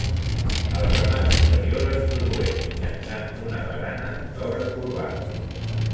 El remat superior es produeix mitjançant una barana d'obra corbada.